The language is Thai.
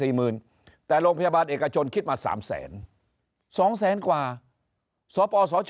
๔๐๐๐๐บาทแต่โรงพยาบาลเอกชนคิดมา๓แสน๒๐๐๐๐๐กว่าสปสช